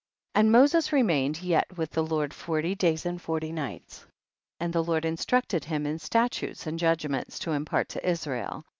26. And Moses remained yet with the Lord forty days and forty nights, and the Lord instructed him in sta tutes and judgments to impart to Is rael.